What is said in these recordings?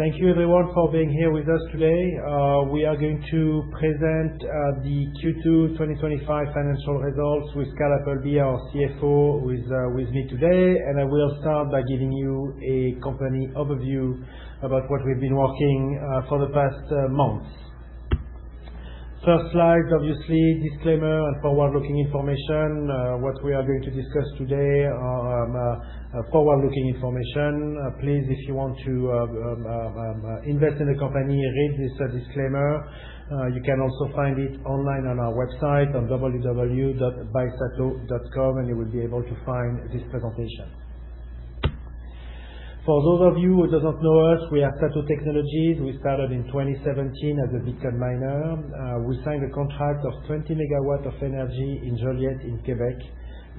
Thank you everyone for being here with us today. We are going to present the Q2 2025 financial results with Kyle Appleby, our CFO, who is with me today. I will start by giving you a company overview about what we've been working for the past months. First slide, obviously, disclaimer and forward-looking information. What we are going to discuss today are forward-looking information. Please, if you want to invest in the company, read this disclaimer. You can also find it online on our website on www.bysato.com, and you will be able to find this presentation. For those of you who does not know us, we are SATO Technologies. We started in 2017 as a Bitcoin miner. We signed a contract of 20 MW of energy in Joliette in Quebec,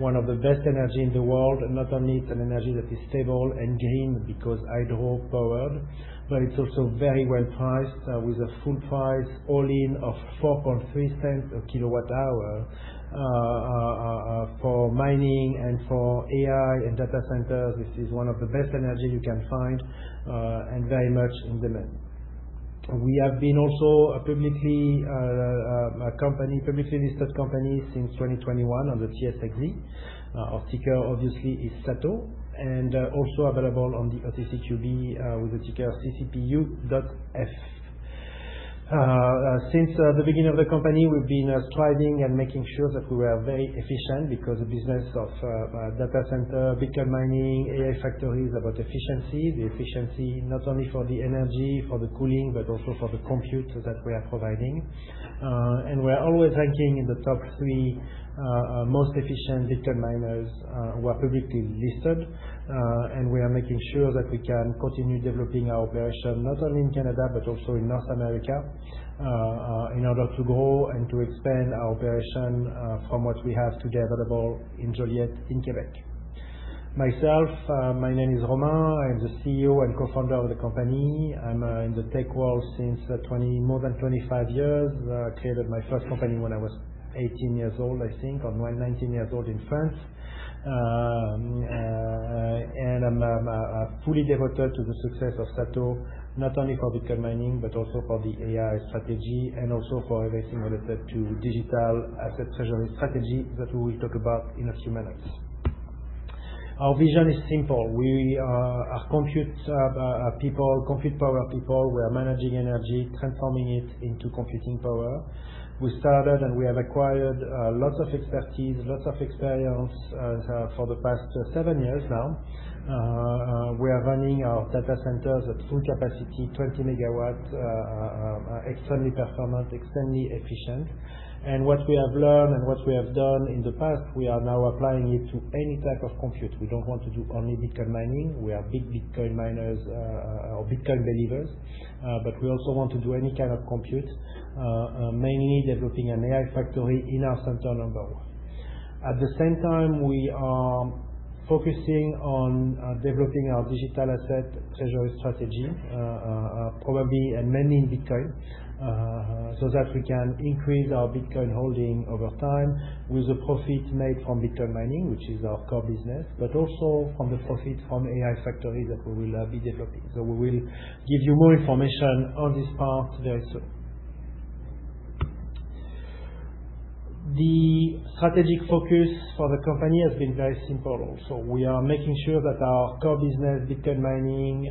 one of the best energy in the world. Not only it's an energy that is stable and green because hydro-powered, but it's also very well priced, with a full price all-in of CAD 0.043/kWh. For mining and for AI and data centers, this is one of the best energy you can find, and very much in demand. We have been also a publicly listed company since 2021 on the TSXV. Our ticker obviously is SATO, and also available on the OTCQB, with the ticker CCPU.F. Since the beginning of the company, we've been striving and making sure that we are very efficient because the business of data center, Bitcoin mining, AI factory is about efficiency. The efficiency not only for the energy, for the cooling, but also for the compute that we are providing. And we're always ranking in the top three most efficient Bitcoin miners who are publicly listed. And we are making sure that we can continue developing our operation, not only in Canada, but also in North America, in order to grow and to expand our operation from what we have today available in Joliette in Quebec. Myself, my name is Romain. I'm the CEO and Co-Founder of the company. I'm in the tech world since more than 25 years. Created my first company when I was 18 years old, I think, or 19 years old in France. I'm fully devoted to the success of SATO, not only for Bitcoin mining, but also for the AI strategy and also for [everything] related to digital asset treasury strategy that we will talk about in a few minutes. Our vision is simple. We are compute people, compute power people. We are managing energy, transforming it into computing power. We started and we have acquired lots of expertise, lots of experience for the past seven years now. We are running our data centers at full capacity, 20 MW, extremely performant, extremely efficient. What we have learned and what we have done in the past, we are now applying it to any type of compute. We don't want to do only Bitcoin mining. We are big Bitcoin miners, or Bitcoin believers, but we also want to do any kind of compute, mainly developing an AI factory in our center number. At the same time, we are focusing on developing our digital asset treasury strategy, probably and mainly in Bitcoin, so that we can increase our Bitcoin holding over time with the profit made from Bitcoin mining, which is our core business, but also from the profit from AI factory that we will be developing. We will give you more information on this part very soon. The strategic focus for the company has been very simple also. We are making sure that our core business, Bitcoin mining,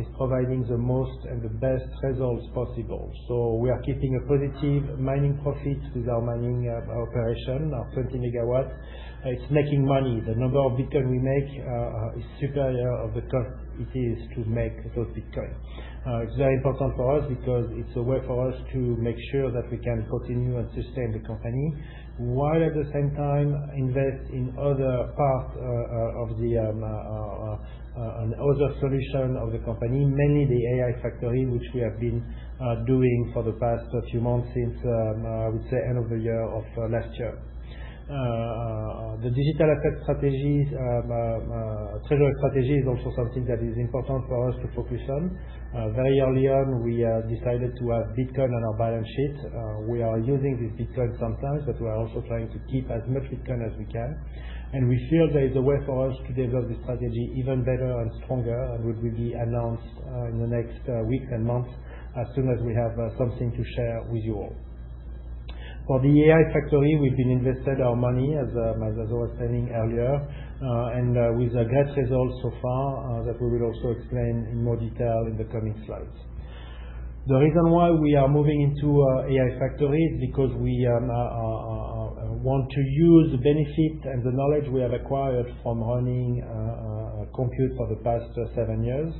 is providing the most and the best results possible. We are keeping a positive mining profit with our mining operation, our 20 MW. It's making money. The number of Bitcoin we make is superior of the cost it is to make those Bitcoin. It's very important for us because it's a way for us to make sure that we can continue and sustain the company while at the same time invest in other parts of the other solution of the company, mainly the AI factory, which we have been doing for the past few months since I would say end of the year of last year. The digital treasury strategy is also something that is important for us to focus on. Very early on, we decided to have Bitcoin on our balance sheet. We are using this Bitcoin sometimes, but we are also trying to keep as much Bitcoin as we can. We feel there is a way for us to develop this strategy even better and stronger, and we will be announced in the next week and month as soon as we have something to share with you all. For the AI factory, we've been invested our money as I was telling earlier, and with a great result so far, that we will also explain in more detail in the coming slides. The reason why we are moving into a AI factory is because we want to use the benefit and the knowledge we have acquired from running compute for the past seven years.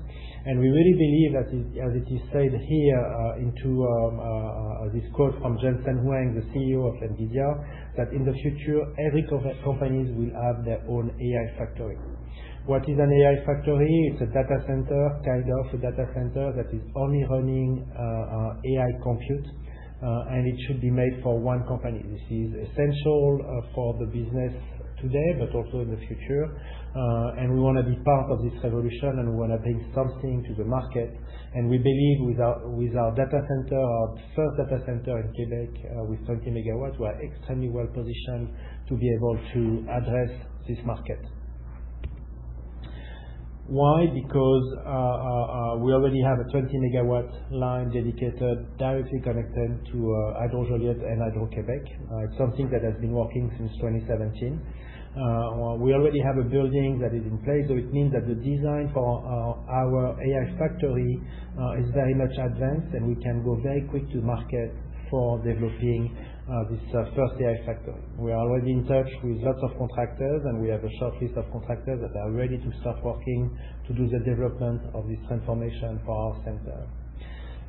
We really believe that as it is said here, into this quote from Jensen Huang, the CEO of NVIDIA, that in the future, every company will have their own AI factory. What is an AI factory? It's a data center, kind of a data center that is only running AI compute, and it should be made for one company. This is essential for the business today, but also in the future. We wanna be part of this revolution, we wanna bring something to the market. We believe with our, with our data center, our first data center in Quebec, with 20 MW, we are extremely well positioned to be able to address this market. Why? Because we already have a 20 MW line dedicated directly connected to Hydro-Joliette and Hydro-Québec. It's something that has been working since 2017. We already have a building that is in place, so it means that the design for our AI factory is very much advanced, and we can go very quick to market for developing this first AI factory. We are already in touch with lots of contractors, and we have a short list of contractors that are ready to start working to do the development of this transformation for our center.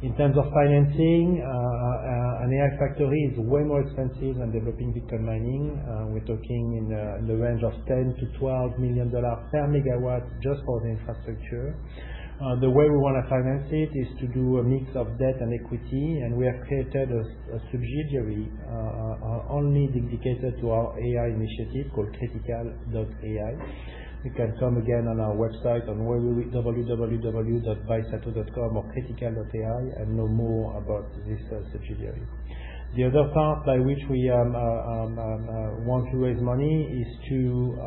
In terms of financing, an AI factory is way more expensive than developing Bitcoin mining. We're talking in the range of 10 million-12 million dollars per MW just for the infrastructure. The way we want to finance it is to do a mix of debt and equity, and we have created a subsidiary only dedicated to our AI initiative called Qritical.ai. You can come again on our website on www.bysato.com or Qritical.ai and know more about this subsidiary. The other part by which we want to raise money is to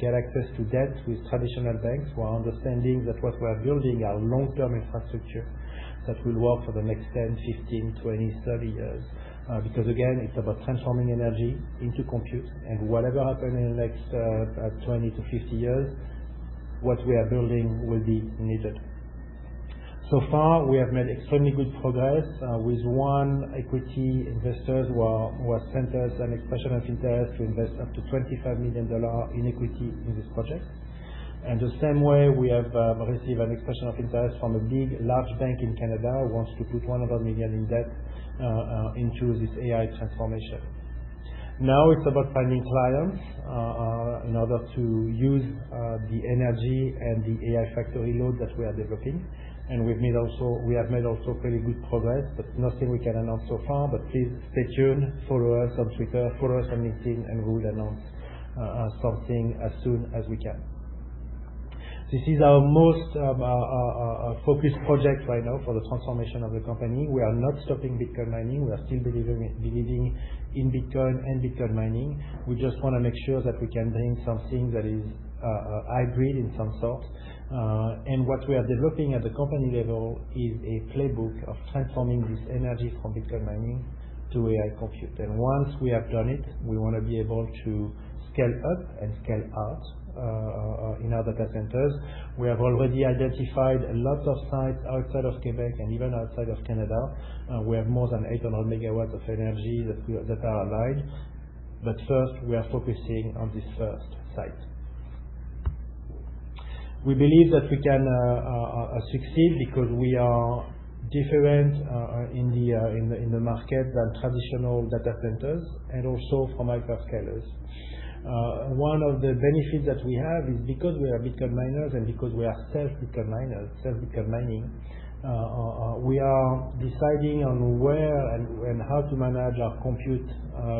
get access to debt with traditional banks while understanding that what we are building are long-term infrastructure that will work for the next 10, 15, 20, 30 years. Because again, it's about transforming energy into compute and whatever happen in the next 20-50 years, what we are building will be needed. Far we have made extremely good progress with one equity investors who has sent us an expression of interest to invest up to 25 million dollar in equity in this project. The same way we have received an expression of interest from a big large bank in Canada who wants to put 100 million in debt into this AI transformation. Now, it's about finding clients in order to use the energy and the AI factory load that we are developing. We have made also pretty good progress, but nothing we can announce so far. Please stay tuned, follow us on Twitter, follow us on LinkedIn, and we will announce something as soon as we can. This is our most focused project right now for the transformation of the company. We are not stopping Bitcoin mining. We are still believing in Bitcoin and Bitcoin mining. We just wanna make sure that we can bring something that is hybrid in some sort. What we are developing at the company level is a playbook of transforming this energy from Bitcoin mining to AI compute. Once we have done it, we wanna be able to scale up and scale out in our data centers. We have already identified lots of sites outside of Quebec and even outside of Canada. We have more than 800 MW of energy that are aligned, first we are focusing on this first site. We believe that we can succeed because we are different in the market than traditional data centers and also from hyperscalers. One of the benefits that we have is because we are Bitcoin miners and because we are self-Bitcoin miners, self-Bitcoin mining, we are deciding on where and how to manage our compute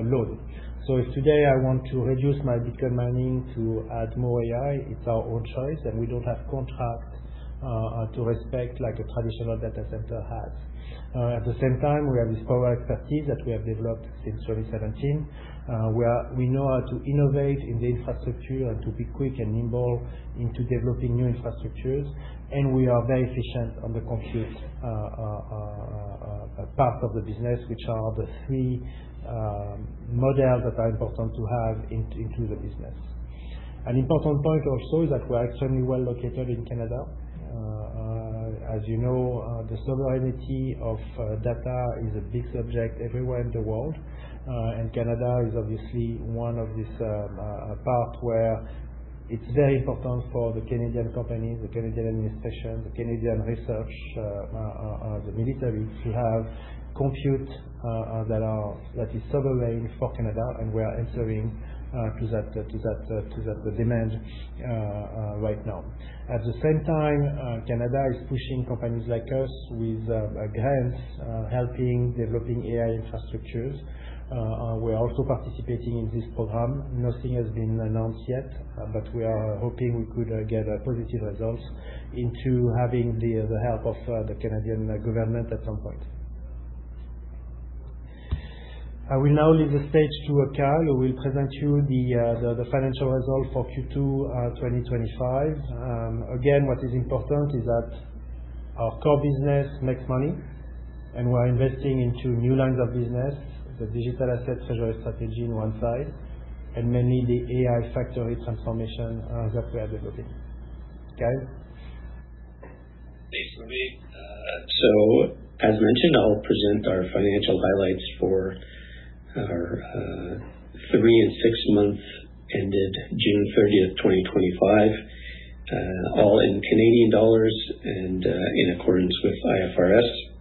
load. If today I want to reduce my Bitcoin mining to add more AI, it's our own choice, and we don't have contract to respect like a traditional data center has. At the same time, we have this power expertise that we have developed since 2017. We know how to innovate in the infrastructure and to be quick and nimble into developing new infrastructures, and we are very efficient on the compute part of the business, which are the three models that are important to have into the business. An important point also is that we're extremely well located in Canada. As you know, the sovereignty of data is a big subject everywhere in the world. Canada is obviously one of this part where it's very important for the Canadian companies, the Canadian administration, the Canadian research, the military to have compute that is sovereign for Canada, and we are answering to that demand right now. At the same time, Canada is pushing companies like us with grants, helping developing AI infrastructures. We are also participating in this program. Nothing has been announced yet, but we are hoping we could get a positive results into having the help of the Canadian government at some point. I will now leave the stage to Kyle, who will present you the financial results for Q2, 2025. Again, what is important is that our core business makes money, and we're investing into new lines of business, the digital asset strategy on one side, and mainly the AI factory transformation that we are developing. Kyle? As mentioned, I'll present our financial highlights for our three and six month ended June 30th, 2025, all in Canadian dollars and in accordance with IFRS.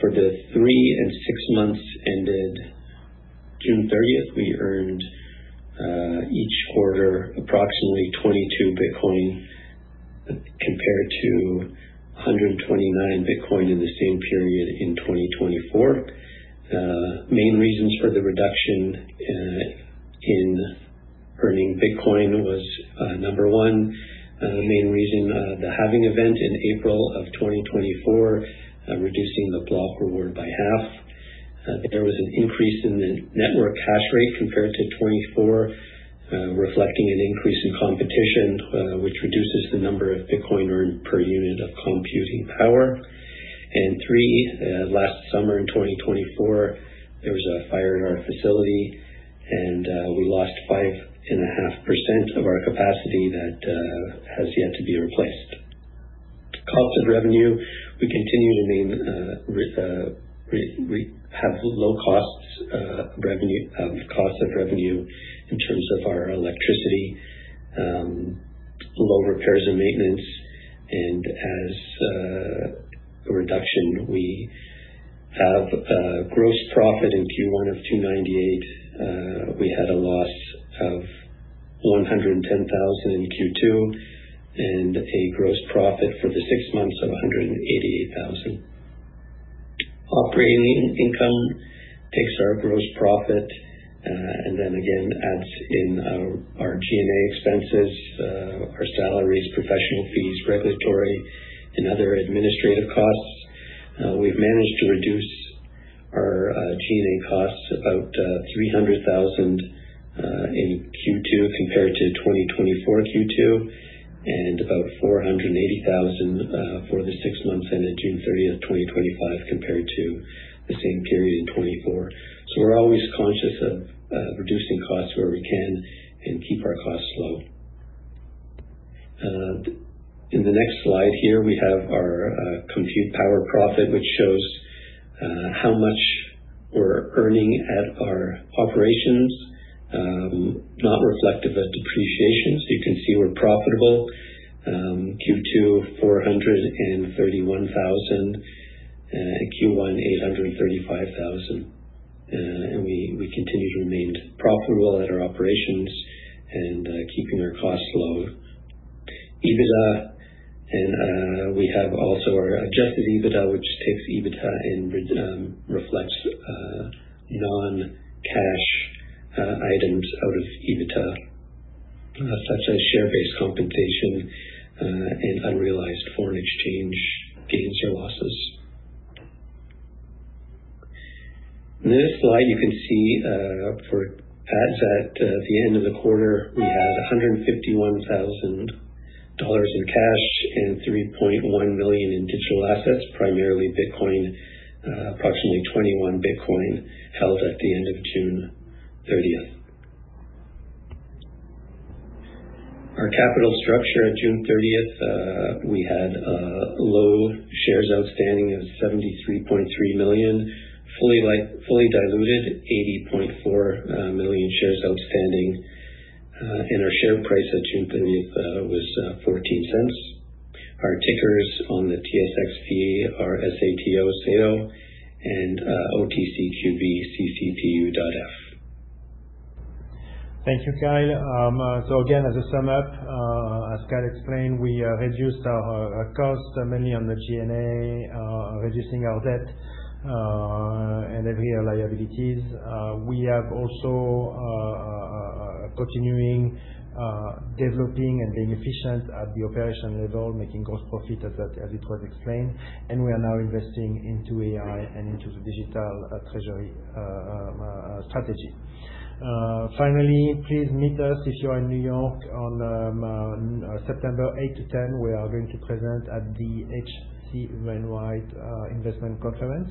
For the three and six months ended June 30th, we earned each quarter approximately 22 Bitcoin compared to 129 Bitcoin in the same period in 2024. Main reasons for the reduction in earning Bitcoin was number one, main reason, the halving event in April of 2024, reducing the block reward by half. There was an increase in the network hash rate compared to 2024, reflecting an increase in competition, which reduces the number of Bitcoin earned per unit of computing power. Three, last summer in 2024, there was a fire in our facility, and we lost 5.5% of our capacity that has yet to be replaced. Cost of revenue. We continue to remain have low costs revenue, cost of revenue in terms of our electricity, low repairs and maintenance. As a reduction, we have a gross profit in Q1 of 298. We had a loss of 110,000 in Q2 and a gross profit for the six months of 188,000. Operating income takes our gross profit, and then again adds in our G&A expenses, our salaries, professional fees, regulatory and other administrative costs. We've managed to reduce our G&A costs about 300,000 in Q2 compared to 2024 Q2, and about 480,000 for the six months ended June 30th, 2025, compared to the same period in 2024. We're always conscious of reducing costs where we can and keep our costs low. In the next slide here we have our Compute Power Profit, which shows how much we're earning at our operations, not reflective of depreciation. You can see we're profitable. Q2, 431,000. Q1, CAD 835,000. We continue to remain profitable at our operations and keeping our costs low. EBITDA, we have also our adjusted EBITDA, which takes EBITDA and reflects non-cash items out of EBITDA, such as share-based compensation and unrealized foreign exchange gains or losses. In this slide, you can see, for assets at the end of the quarter, we had 151,000 dollars in cash and 3.1 million in digital assets, primarily Bitcoin, approximately 21 Bitcoin held at the end of June 30th. Our capital structure at June 30th, we had low shares outstanding of 73.3 million, fully diluted 80.4 million shares outstanding. Our share price at June 30 was 0.14. Our tickers on the TSXV are SATO, and OTCQB, CCPUF. Thank you, Kyle. Again, as a sum up, as Kyle explained, we reduced our costs mainly on the G&A, reducing our debt and every other liabilities. We have also continuing developing and being efficient at the operation level, making gross profit as it was explained, and we are now investing into AI and into the digital treasury strategy. Finally, please meet us if you are in New York on September 8 to 10. We are going to present at the H.C. Wainwright investment conference.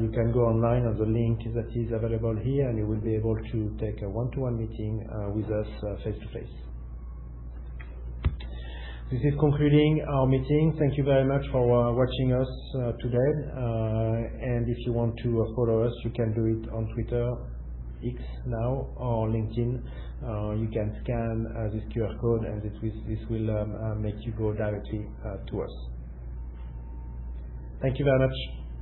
You can go online on the link that is available here, and you will be able to take a one-to-one meeting with us face-to-face. This is concluding our meeting. Thank you very much for watching us today. If you want to follow us, you can do it on Twitter, X now, or LinkedIn. You can scan this QR code and this will make you go directly to us. Thank you very much.